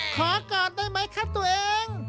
ขอกอดได้มั้ยคะตัวเอง